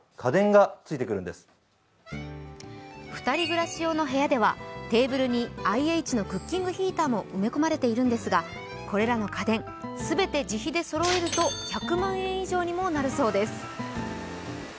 ２人暮らし用の部屋ではテーブルにＩＨのクッキングヒーターも埋め込まれているんですがこれらの家電全て自費でそろえると１００万円以上にもなるそうです。